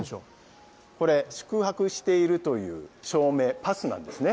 これ、宿泊しているという証明、パスなんですね。